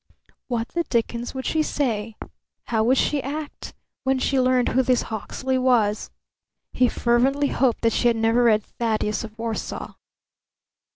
What the dickens would she say how would she act when she learned who this Hawksley was? He fervently hoped that she had never read "Thaddeus of Warsaw."